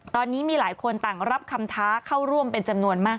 ตอนนี้มีหลายคนต่างรับคำท้าเข้าร่วมเป็นจำนวนมาก